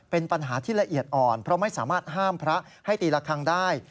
เป็นปัญหาที่ละเอียดอ่อนเพราะไม่สามารถห้ามพระให้ตีละครั้งได้